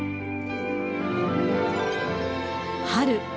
春。